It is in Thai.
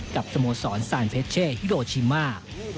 กับสโมสรซานเพชเชฮฮิโรชิม่า